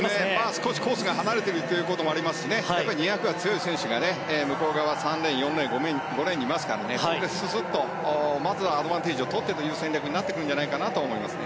少しコースが離れているということもありますし２００は強い選手が向こう側の３レーン４レーン、５レーンにいますからまずはアドバンテージをとってという戦略になってくるんじゃないかなと思います。